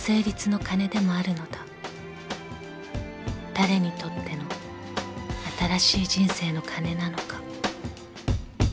［誰にとっての新しい人生の鐘なのか］